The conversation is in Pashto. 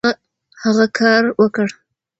هغه هر کار وکړ.